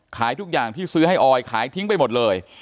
ขายทุกอย่างที่ซื้อให้ออยขายทิ้งไปหมดเลย